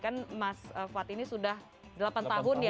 kan mas fad ini sudah delapan tahun ya